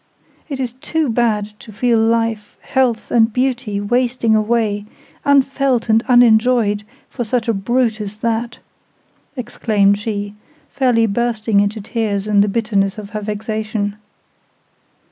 It is too bad to feel life, health, and beauty wasting away, unfelt and unenjoyed, for such a brute as that!" exclaimed she, fairly bursting into tears in the bitterness of her vexation.